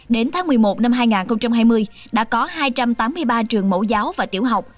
đến tháng một mươi một năm hai nghìn hai mươi đã có hai trăm tám mươi ba trường mẫu giáo và tiểu học